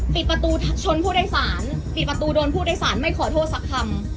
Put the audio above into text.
ปิดประตูชนผู้โดยสารปิดประตูโดนผู้โดยสารไม่ขอโทษสักคำ